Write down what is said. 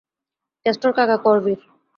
কেষ্টর কাকা করবীর।